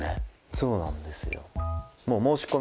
そうなんですよ。